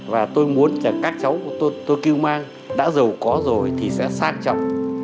và tôi muốn các cháu tôi cư mang đã giàu có rồi thì sẽ sang chồng